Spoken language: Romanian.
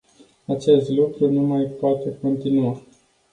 Acest lucru nu mai poate continua.